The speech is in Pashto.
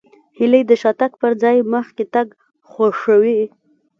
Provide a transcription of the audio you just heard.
هیلۍ د شاتګ پر ځای مخکې تګ خوښوي